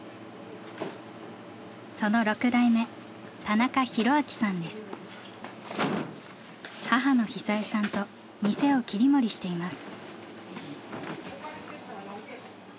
その６代目母の壽枝さんと店を切り盛りしています。